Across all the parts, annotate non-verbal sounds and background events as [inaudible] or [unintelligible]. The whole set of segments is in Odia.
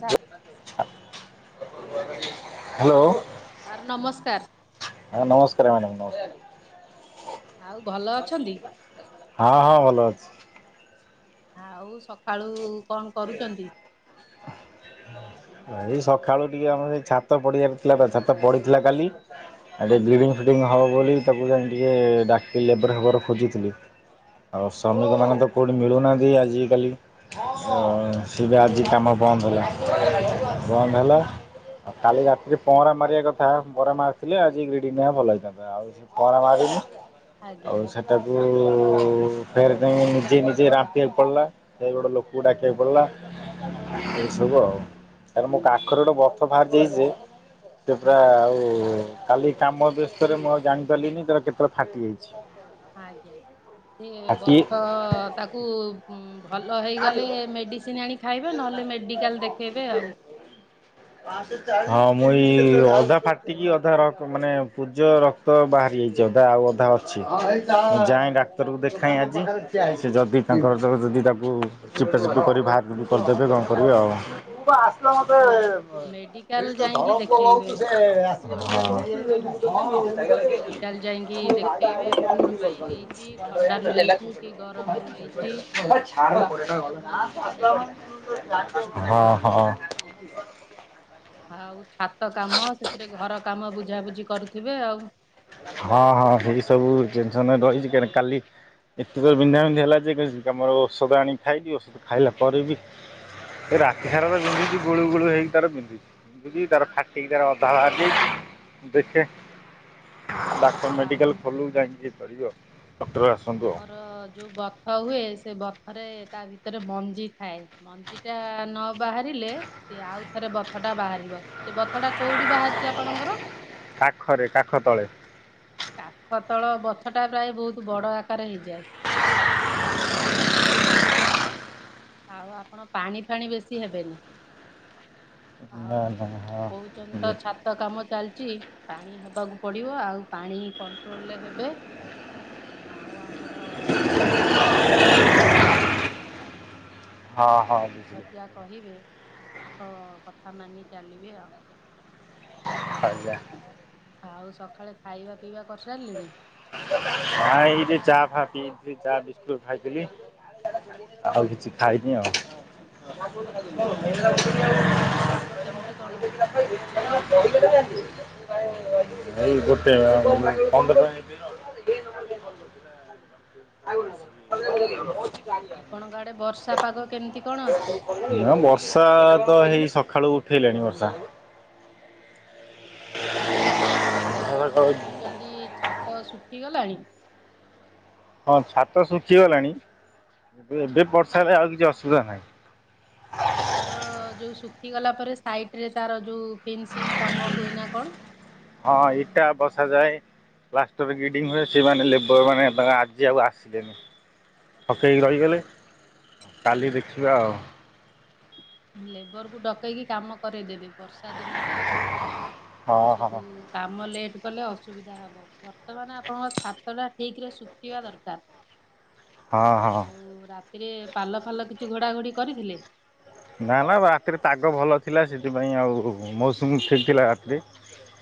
ସାରେ। ହାଲୋ। ସାର୍ ନମସ୍କାର। ହଁ ନମସ୍କାର ମ୍ୟାଡ଼ମ୍ ନମସ୍କାର। ଆଉ ଭଲ ଅଛନ୍ତି? ହଁ ହଁ ଭଲ ଅଛି। ଆଉ ସକାଳୁ କଣ କରୁଚନ୍ତି? ଏଇ ସକାଳୁ ଟିକେ ଆମର ଏଇ ଛାତ ପଡ଼ିବାର ଥିଲା ଛାତ ପଢିଥିଲା କାଲି ହେଠି ଆଜ୍ଞା ବ୍ଲିଡ଼ିଙ୍ଗ ଫିଲିଡ଼ିଙ୍ଗ ହେବ ବୋଲି ତାକୁ ଯାଇ ଟିକେ ଡାକି ଲେବର ଫେବର ଖୋଜୁଥିଲି। ଆଉ ଶ୍ରମିକମାନେ ତ କଉଠି ମିଳୁନାହାନ୍ତି ଆଜିକାଲି ହଁ ସେ ବି ଆଜି କାମ ବନ୍ଦ ହେଲା ବନ୍ଦ ହେଲା କାଲି ରାତିରେ ପହଁରା ମାରିବା କଥା ପହଁରା ମାରିଥିଲେ ଆଜି ଗ୍ରୀଡିଙ୍ଗ ଟା ଭଲ ହେଇଥାନ୍ତା ଆଉ ପହଁରା ମାରିଲି ଆଜ୍ଞା ଆଉ ସେ ତାକୁ ଫେରେ ଯାଇ ନିଜେ ନିଜେ ରାମ୍ପିବାକୁ ପଡିଲା ଜାଇ ଗୋଟେ ଲୋ କୁ ଡାକିବାକୁ ପଡ଼ିଲା ଏ ସବୁ ଆଉ। ସାର୍ ମୋ କାଖରେ ଗୋଟେ ବଥ ଭାରିଯାଇଛି ଯେ ସେ ପୁରା ଆଜ୍ଞା ଆଉ କାଲି କାମ ବ୍ୟସ୍ତରେ ମୁଁ ଆଉ ଜାଣି ପାରିଲିିନି ତାର କେତବେଳେ ଫାଟି ଯାଇଛି। ଆଜ୍ଞା ସେ ଫାଟି ବଥ ତାକୁ ହୁଁ ଭଲ ହେଇଗଲେ ମେଡ଼ିସିନ ଆଣି ଖାଇବେ ନହେଲେ ମେଡିକାଲ ଦେଖେଇବେ ଆଉ। ହଁ ମୁଁ ଏଇ ଅଧା ଫାଟିକି ଅଧା ରକ ମାନେ ପୂଜ ର ତ ବାହାରି ଯାଇଛି ଅଧା ଆଉ ଅଧା ଅଛି। ଯାଏଁଡାକ୍ତର କୁ ଦେଖାଏଁ ଆଜି ସେ ଯଦି ତାଙ୍କର [unintelligible] ତା କୁ ଚିପାଚୁପି କରି ଭାଆର ଭୁରି କରିଦେବେ କଣ କରିବି ଆଉ। ମୁଁ ପା ଆସିଲା ମାତ୍ରେ ନାଇଁ ଏଠି ମେଡିକାଲ ତ ଯାଇକି ଧରମପୁଅ ଦେଖେଇବେ ବହୁତ୍ ସେ ଯୋଉଟା ଯୋଉ ବାହାରୁଛି ହଁ ମେଡିକାଲ ଯାଇକି ଦେଖେଇବେ କଣ ପାଇଁ ହେଇଛି ଥଣ୍ଡାରୁ ହେଇଛି କି ଗରମରୁ ହେଇଛି [unintelligible] [unintelligible] ଏଚ୍ଛ ଡାକ୍ତର ମାନେ ସେଟା ଦେଖିବେ। ହଁ ହଁ। ଆଉ ଛାତ କାମ ସେଥିରେ ଘର କାମ ବୁଝାବୁଝି କରୁଥିବେ ଆଉ। ହଁ ହଁ ଏଇ ସବୁ ଜିନିଷ ନୁହେଁ ତ ଇଜ କାନେ କାଲି ଏତେ ଜୋରେ ବିନ୍ଧା ବିନ୍ଧି ହେଲା ଯେ [unintelligible] ମୋ ଔଷଧ ଆଣିକି ଖାଇକି ଔଷଧ ଖାଇଲା ପରେ ବି ଏ ରାତିସାରା ତ ବିନ୍ଧୁଛି ଗୋଳୁ ଗୋଳୁ ହେଇକି ତାର ବିନ୍ଧୁଛି। ବିନ୍ଧିକି ତାର ଫାଟିକି ତାର ଅଧା ବାହାରି ଯାଇଛି ମୁଁ ଦେଖେ ଆଉ ଡାକ୍ତର ଆମ ମେଡିକାଲ୍ ଖୋଲୁ ଯାଇକି ଇଏ କରିବି ଆଉ। ଡକ୍ଟର ଆସନ୍ତୁ ଆଉ ଆମର ଯୋଉ ବଥ ହୁଏ ସେ ବଥରେ ତା ଭିତରେ ମଞ୍ଜି ଥାଏ। ମଞ୍ଜିଟା ନ ବାହାରିଲେ ସେ ଆଉ ଥରେ ବଥଟା ବାହାରିବ ସେ ବଥଟା କୋଉଠି ବାହାରିଚି ଆପଣଙ୍କର? କାଖରେ କାଖ ତଳେ। କାଖ ତଳ ବଥଟା ପ୍ରାୟ ବହୁତ୍ ବଡ ଆକାର ହେଇଯାଏ। ବି ପେନ୍ ଫେନ୍ ଭଉତ୍ କରେ। ଆଉ ଆପଣ ପାଣି ଫାଣି ବେଶୀ ହେବେନି। ନା ଆଉ ନା ହଁ କହୁଚନ୍ତି ତ ଛାତ କାମ ଚାଲିଚି ପାଣି ହବାକୁ ପଡିବ ଆଉ ପାଣି କଣ୍ଟ୍ରୋଲରେ ହେବେ। ଆଉ ଆମର ଡକ୍ଟରଙ୍କ ପରାମର୍ଶ ନେବେ ଆଉ। ହଁ ହଁ ଟର ବୁଝିଲି ଯାହା କହିବେ ତାଙ୍କ କଥା ମାନି ଚାଲିବେ ଆଉ। ଆଜ୍ଞା। ଆଉ ସଖାଳେ ଖାଇବା ପିଇବା କରି ସାରିଲେଣି? ନାଁ ଏଇ ଟିକେ ଚା ଫା ପିଇଥିଲି ଚା ବିସ୍କୁଟ ଖାଇଥିଲି। ଆଉ କିଛି ଖାଇନି ଆଉ [inaudible] ଆଉ ବର୍ଷା ପାଗ କେମିତି କ'ଣ ଆପଣଙ୍କ ଆଡେ? [inaudible] [unintelligible] [inaudible] ଆପଣଙ୍କ ଆଡେ ବର୍ଷା ପାଗ କେମିତି କ'ଣ ଅଛି? ବର୍ଷା ତ ହେଇ ସକାଳୁ ଉଠେଇଲାଣି ବର୍ଷା। [inaudible] ଆଉ ଆପଣ ଯୋଉ କହୁଛନ୍ତି ଛାତ ଶୁଖିଗଲାଣି। ହଁ ଛାତ ଶୁଖିଗଲାଣି ଏବେ ବର୍ଷା ହେଲେ ଆଉ କିଛି ଅସୁବିଧା ନାହିଁ। ଛାତର ଯୋଉ ଶୁଖିଗଲା ପରେ ସାଇଡରେ ତାର ଯୋଉ ଫେନ୍ସିଂ କାମ ହୁଏ ନା କ'ଣ? ହଁ ଇଟା ବସାଯାଏ। ଲାଷ୍ଟର ଗିଡିଙ୍ଗ ହୁଏ। ସେମାନେ ଲେବରମାନେ ତାଙ୍କ ଆଜି ଆଉ ଆସିଲେନି। ପକେଇକି ରହିଗଲେ କାଲି ଦେଖିବା ଆଉ। ଲେବର କୁ ଡକେଇକି କାମ କରେଦେବେ। ବର୍ଷା ଦିନ ନା ହଁ [unintelligible] କାମ ଲେଟ୍ କଲେ ଅ ଅସୁୁବିଧା ହବ ବର୍ତ୍ତମାନ ଆପଣଙ୍କ ଛାତ ଟା ଠିକ ରେ ଶୁଖିବା ଦରକାର। ହଁ ହଁ ହଁ। ଆଉ ରାତିରେ ପାଲ ଫାଲ କିଛି ଘୋଡ଼ା ଘୋଡି କରିଥିଲେ? ନା ନା ରାତିରେ ପାଗ ଭଲ ଥିଲା ସେଥିପାଇଁ ଆଉ ମୌସୁମୀ ଠିକ୍ ଥିଲା ରାତିରେ।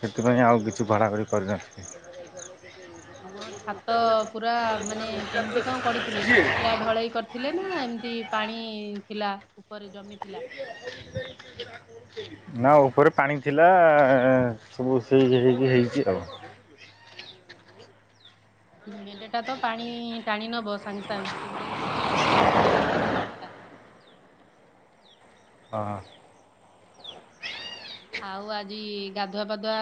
ସେଥିପାଇଁ ଆଉ କିଛି ଭଡ଼ା ଭ଼ଡି କରିନାହିଁ। ଆଉ କ'ଣ ଛାତ ପୁରା ମାନେ କେମିତି କ'ଣ କରିଥିଲେ? ଶୁଖ ଖିଲା ଢଳେଇ କରିଥିଲେ ନା ଏମିତି ପାଣି ଥିଲା ଉପରେ ଜମିଥିଲା। ନା ଉପରେ ପାଣି ଥିଲା ସବୁ ସେଇ ହେଇକି ହେଇଛି ଆଉ। ସିମେଟ ଟା ତ ପାଣି ଟାଣି ନବ ସାଙ୍ଗେ ସାଙ୍ଗେ କିନ୍ତୁ ଟିକେ ବର୍ଷା ନହବା ଦରକାର। ହଁ। ଆଉ ଆଜି ଗାଧୁଆ ପାଧୁଆ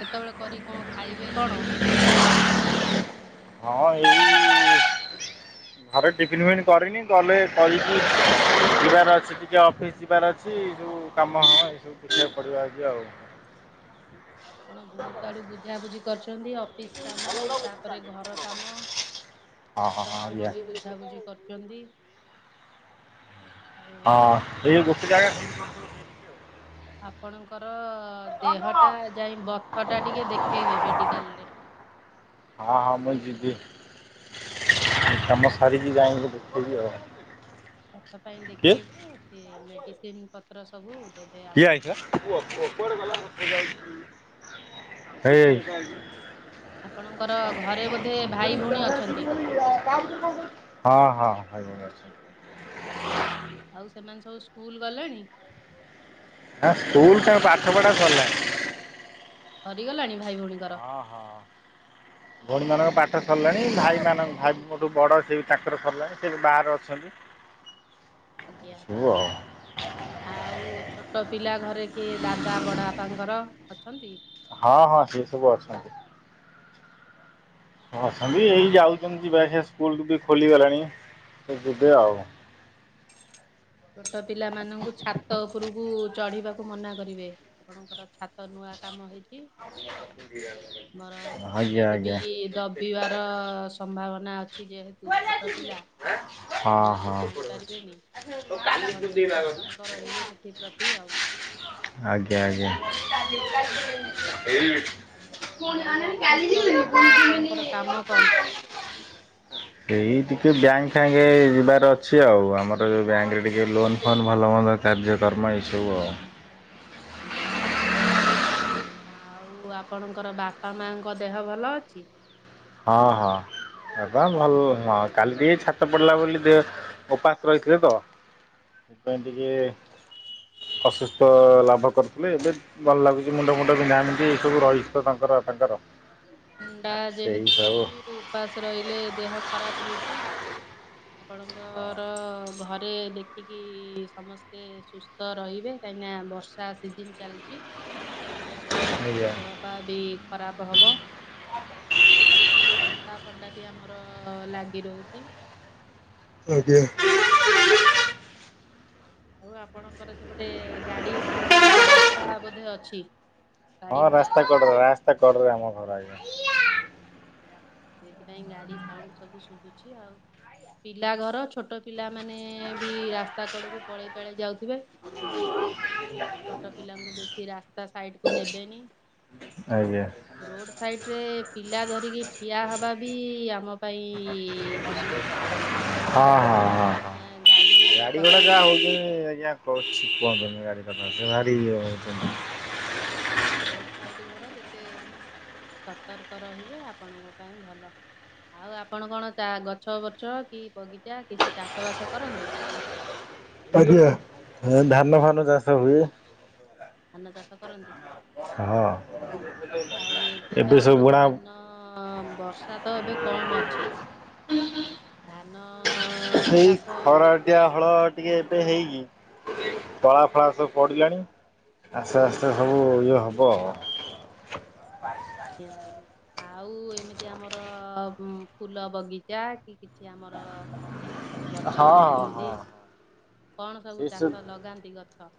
କେତେବେଳେ କରି କ'ଣ ଖାଇବେ କ'ଣ? ହଁ ଏଇ ଘରେ ଟିଫିନ ଫିଫନ୍ କରିନି ଗଲେ କରି କି ଯିବାର ଅଛି। ଟିକେ ଅଫିସ୍ ଯିବାର ଅଛି ଯଉ କାମ ହବ ଏସବୁ ବୁଝିବାକୁ ପଡ଼ିବା ଆଉ। ଆପଣ ବହୁତ ଆଡୁ ବୁଝାବୁଝି କରିଛନ୍ତି ଅଫିସ କାମ ତାପରେ ଘର କାମ ହଁ ହଁ ଚାତ ହଁ ଆଜ୍ଞା କାମ ବୁଝ ବୁଝାବୁଝି କରିଛନ୍ତି। ହଁ ଏଇ [unintelligible] ଆପଣଙ୍କର ଦେହ ଟା ଯାଇ ବଥ ଟା ଟିକେ ଦେଖେଇବେ ମେଡିକାଲ ରେ। ହଁ ହଁ ମୁ ଯିବି। ଏ କାମ ବଥ ପାଇଁ ସାରିକି ଯାଇକି ଦେଖେଇବି ଆଉ। କିଏ? ସେ ମେଡିସିନ ପତ୍ର ସବୁ ଦେବେ କିଏ ଆପଣଙ୍କୁ ଆଇଥିଲା? ହେ ହେଇ। [inaudible] ଆପଣଙ୍କର ଘରେ ବୋଧେ ଭାଇ ଭଉଣୀ ଅଛନ୍ତି ହଁ ହଁ ଭାଇ ଭଉଣୀ ଆସିଛନ୍ତି। ଆଉ ସେମାନେ ସବୁ ସ୍କୁଲ ଗଲେଣି? ହଁ ସ୍କୁଲ ସାଙ୍ଗେ ପାଠ ପଢ଼ା ସିରିଲାଣି। ସରିଗଲାଣି ଭାଇ ଭଉଣୀଙ୍କର? ହଁ ହଁ। ଭଉଣୀମାନଙ୍କ ପାଠ ସରିଲାଣି ଭାଇମାନଙ୍କ ଭାଇ ମୋଠୁ ବଡ଼ ସେ ତାଙ୍କର ସରିଲାଣି ସେ ବାହାରେ ଅଛନ୍ତି। ଆଜ୍ଞା। ସବୁ ଆଉ ଆଉ ଛୋଟ ପିଲା ଘରେ କିଏ ଦାଦା ବଡ଼ ବାପାଙ୍କର ଅଛନ୍ତି? ହଁ ହଁ ସିଏ ସବୁ ଅଛନ୍ତି। ହଁ ଆଉ ଅଛନ୍ତି ଏଇ ଯାଉଛନ୍ତି ଯିବା ଆସିବା ସ୍କୁଲକୁ ବି ଖୋଲିଗଲାଣି ସେ ଯିବେ ଆଉ। ଛୋଟ ପିଲା ମାନଙ୍କୁ ଛାତ ଉପରକୁ ଚଢିବାକୁ ମନା କରିବେ। ଆପଣଙ୍କର ଛାତ ନୂଆ କାମ ହେଇ ଚି ମୋର ଆଜ୍ଞା ସିମେଣ୍ଟ ବି ଆଜ୍ଞା। ଡବ ବି ବାର ସମ୍ଭାବନା ଅ ଛି ଯେହେତୁ ଛୋଟ ପିଲା ହଁ ସେମାନେ ହଁ। ଜାଣିପାରିବେନି। ଆପଣ ଟିକେ ଆଜ୍ଞା ସତର୍କ ରହିବେ ସେଥିପ୍ରତି ଆଉ। ଆଜ୍ଞା ଆଜ୍ଞା। ପୁଣି ଆଉ ଅନାନି ଅଫିସ କାଲି କଣ ଯିବେ କେତେବେଳେ ଆପଣଙ୍କର କାମ କଣ? [inaudible] ଏଇ ଟିକେ ବ୍ୟାଙ୍କ ପ୍ୟାଙ୍ଗେ ଯିବାର ଅଛି ଆଉ ଆମର ଯୋଉ ବ୍ୟାଙ୍କ ରେ ଟିକେ ଲୋନ ଫୋନ ଭଲ ମନ୍ଦ କାର୍ଯ୍ୟକ୍ରମ ଏସବୁ ଆଉ। ଆଜ୍ଞା ଆଉ ଆପଣଙ୍କର ବାପା ମାଙ୍କ ଦେହ ଭଲ ଅଛି ହଁ ହଁ। ହେତା ଭଲ ନୁହ କାଲି ଟିକେ ଛାତ ପଡିଲା ବୋଲି ଦେ ଉପାସ ରହିଥିଲେ ତ। ସେପାଇ ଟିକେ ଅସୁସ୍ଥ ଲାଭ କରିଥିଲେ ଏବେ ଭଲ ଲାଗୁଚି ମୁଣ୍ଡ ଫୁଣ୍ଡ ବିନ୍ଧା ବିିନ୍ଧି ଏଇ ସବୁ ରହିଛି ତ ତାଙ୍କର ତାଙ୍କର। ଥଣ୍ଡା ସେଇ ଯେହେତୁ ସବୁ ଅଛି ଉପାସ ରହିଲେ ଦେହ ଖରାପ ହଉଚି। ଆପଣଙ୍କର ଘରେ ଦେଖିକି ସମସ୍ତେ ସୁସ୍ଥ ରହିବେ। କାହିଁକି ନା ବର୍ଷା ସିଜିନ ଚାଲଚି। ଆଜ୍ଞା ଦେହ ପା ବି ଖରାପ ହବ। ଥଣ୍ଡା ଫଣ୍ଡା ବି ଆମର ଲାଗି ରହୁଚି। ଆଜ୍ଞା। ଆଉ ଆପଣଙ୍କର ସେ ପଟେ ଗାଡି ଉଁ ରାସ୍ତା ବୋଧେ ଅଛି ହଁ ଗାଡ଼ି ଘୋଡ଼ା ରାସ୍ତା ଚାଲୁଛି କଡ ରାସ୍ତା କଡରେ ଆମ ଘର ଆଜ୍ଞା। ସେଇଥିପାଇଁ ଗାଡି ସାଉଣ୍ଡ ସବୁ ଶୁଭୁଛି ଆଉ। ପିଲା ଘର ଛୋଟ ପିଲାମାନେ ବି ରାସ୍ତା କଡକୁ ପଳେଇ ପାଳେଇ ଯାଉଥିବେ। ଛୋଟ ପିଲାଙ୍କୁ ବେଶୀ ରାସ୍ତା ସାଇଟ କୁ ନେବେନି। ଆଜ୍ଞା ରୋଡ ସାଇଟରେ ପିଲା ଧରି କରିକି ଠିଆ ହବା ବି ଆମ ପାଇଁ ଅସୁବିଧା। ହଁ ହଁ। ହଁ ଇନା ହଁ। ଗାଡି କଥା ନା। କରଛି କୁହନ୍ତୁନି ଗାଡ଼ି କଥା ସେ ଭାରି ଇଏ ହଉଚନ୍ତି। ରୋଡ଼ ସାଇଡ଼ ଘର ଯେତେ ସତର୍କ ରହିବେ ଆପଣଙ୍କ ପାଇଁ ଭଲ। ଆଉ ଆପଣ କଣ ଚା ଗଛ ବଛ କି ବଗିଚା କିଛି ଚାଷ ବାସ କରନ୍ତି? ପରିବା ହଁ ଧାନ ଫାନ ଚାଷ ହୁଏ। ଧାନ ଚାଷ କରନ୍ତି ହଁ ଆଉ ଏବେ ତ ସବୁ ଆମର ବୁଣା ଧାନ ଅ ବର୍ଷା ତ ଏବେ କମ ଅଛି। ଧାନ ଚାଷ ନ୍ତିଆ ହଳ ଟିକେ ଏବେ ହେଇକି ତଳା ଫଳା ସବୁ ପଡିଲାଣି। ଆସ୍ତେ ଆଜ୍ଞା ଆସ୍ତେ ସବୁ ଇଏ ହବ ଆଉ। ଜ୍ଞା ଅଜ୍ଞା। ଆଉ ଏମିତି ଆମର ଫୁଲ ବଗିଚା କି କିଛି ଆମର ଗଛ ହଁ ହଁ ଏମିତି ହଁ। କଣ ସବୁ ସେ ସେ ଚାଷ ଲଗାନ୍ତି ଗଛ?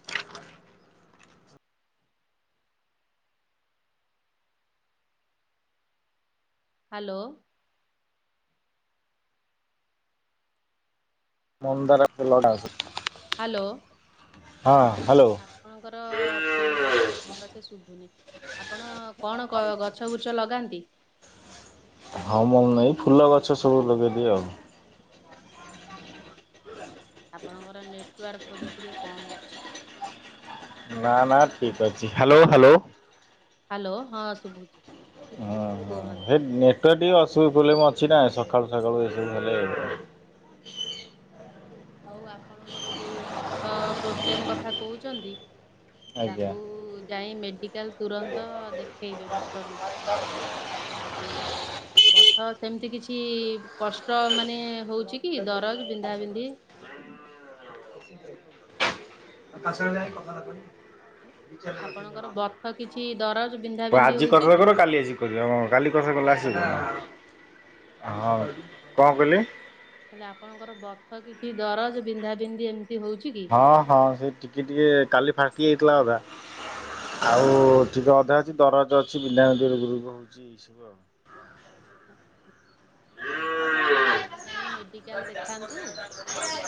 ହାଲୋ। ମନ୍ଦାର ବେଲଡାସ ହାଲୋ। ହଁ ହାଲୋ। ଆପଣଙ୍କର ଫୋନ ଟା ଭଲସେ ଶୁଭୁନି ଆପଣ କଣ ଗ ଗଛ ଛ ଗୁଛ ଲଗାନ୍ତି ଆଉ ମନେ ନାହିଁ, ଫୁଲ ଗଛ ସବୁ ଲଗେଇଦିଏ ଆଉ। ଆଜ୍ଞା ଆପଣଙ୍କର ନେଟୱାର୍କ ବୋଧେ ଟିକିେ କମ୍ ଅଛି। ନା ନା ଠିକ ଅଛି। Hello hello. ହ୍ୟାଲୋ ହଁ ଶୁଭୁଚି। ହୁଁ ହଁ ସେ ନେଟୱାର୍କ ଟିକେ ଅସୁ ପ୍ରୋବ୍ଲେମ ଅଛି ନା ସକାଳୁ ସକାଳୁ ଏସବୁ ହେଲେ। ଆଉ ଆପଣଙ୍କର ଯୋଉ ବଥ ପ୍ରୋବ୍ଲେମ କଥା କହୁଛନ୍ତି। ଆଜ୍ଞା। ତାକୁ ଆଜି ଯାଇ ମେଡି କାଲ ତୁରନ୍ତ ଦେଖେଇବେ ଡକ୍ଟରଙ୍କୁ। ଆଉ ବ ହଁ ସେମିତି କିଛି କଷ୍ଟ ମାନେ ହଉଚ କି ଦରଜ ବିନ୍ଧା ବିନ୍ଧି? [inaudible] କାଶ ହେଲେ ଯାଇଁ କଥା ଟା କହିବୁ। ଆପଣଙ୍କର ବଥ କିଛି ଦରଜ ବିନ୍ଧାବିନ୍ଧି ଆଜି ହଉଛି କର ନ କି? କର କାଲି ଆସି ହଁ କାଲି କଥା କଲେ ଆସିବ ହଁ ହଁ କଣ କହିଲେ? ହେଲେ ଆପଣଙ୍କର ବଥ କିଛି ଦରଜ ବିନ୍ଧାବିନ୍ଧି ଏମିତି ହଉଛି କି? ହଁ ହଁ ସେ ଟିକେ ଟିକେ କାଲି ଫାଟି ଯାଇଥିଲା ଅଧା। ଆଉ ଟିକେ ଅଧା ଅଛି, ଦରଜ ଅଛି ବିନ୍ଧା ବିନ୍ଧି ରୁଗୁ ରୁଗୁ ହଉଛି ଏଇ ସବୁ ଆଉ। ହ ଆପଣ ଯାଇ ମେଡିକାଲ ଦେଖାନ୍ତୁ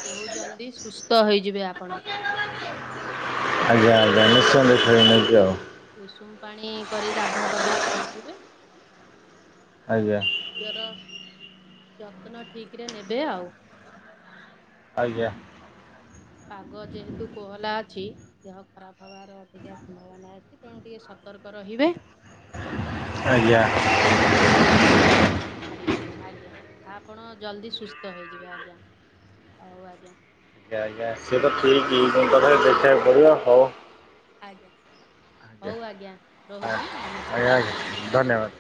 ବହୁତ ଜଲ୍ଦି ସୁସ୍ଥ ହେଇଯିବେ ଆପଣ। ଆଉ ଟିକେ [unintelligible] ଉଷୁମ ପାଣି କରିକି ଗାଧୁଆ ପାଧୁଆ କରୁଥିବେ। ଆଜ୍ଞା ଆଉ ଜର ଯତ୍ନ ଠିକ ରେ ନେବେ ଆଉ। ଆଜ୍ଞା ପାଗ ଯେହେତୁ କୋହଲା ଅଛି। ଦେହ ଖରାପ ହବାର ଅଧିକା ସମ୍ଭାବନା ଅଛି, ତେଣୁ ଟିକେ ସତର୍କ ରହିବେ। ଆଜ୍ଞା ଆ [inaudible] ଏଠି ଛାଡ଼ିବେନି, ଆଜ୍ଞା ଆପଣ ଜଲଦି ସୁସ୍ଥ ହେଇଯିବେ ଆଜ୍ଞା, ହଉ ଆଜ୍ଞା। ସେ ଆଜି ଆସିଛି ତ ଠିକ ଦେଖିବାକୁ ପଡିବ ହଉ। ଆଜ୍ଞା ଆଜ୍ଞା ହଉ ଆ ରହୁଛି ନମସ୍କାର। ଆଜ୍ଞା ଆଜ୍ଞା ଧନ୍ୟବାଦ।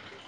ହ [inaudible]